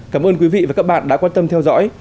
cảm ơn quý vị và các bạn đã quan tâm theo dõi